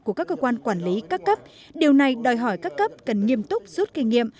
của các cơ quan quản lý các cấp điều này đòi hỏi các cấp cần nghiêm túc rút kinh nghiệm